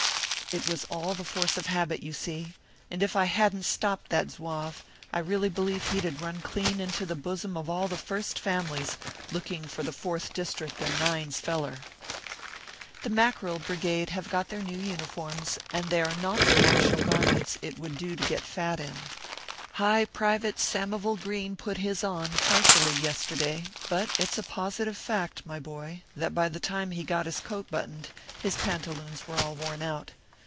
It was all the force of habit, you see ; and if I hadn t stopped that Zouave, I really believe he d have run clean into the bosom of all the first families, looking for the Fourth District and Nine s feller ! The Mackerel brigade have got their new uniforms, and they are not the martial garments it would do to get fat in. High private Samivel Green put his on, partially, yesterday ; but, it s a positive fact, my boy, that by the time he got his coat buttoned, his pantaloons were all worn out.